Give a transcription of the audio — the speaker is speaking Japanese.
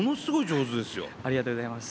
ありがとうございます。